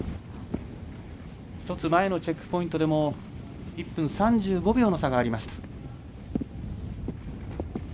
１つ前のチェックポイントでも１分３５秒の差がありました。